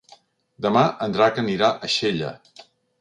Demà en Drac anirà a Xella.